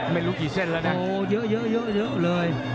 ไม่รู้กี่เส้นแล้วนะโอ้เยอะเลย